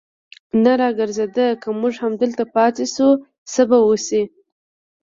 نه را ګرځېده، که موږ همدلته پاتې شو، څه به وشي.